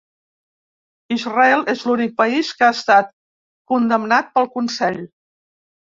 Israel és l'únic país que ha estat condemnat pel Consell.